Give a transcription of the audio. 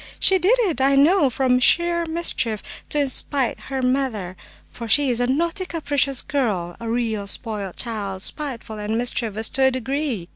She did it, I know, from sheer mischief, to spite her mother, for she is a naughty, capricious girl, a real spoiled child spiteful and mischievous to a degree!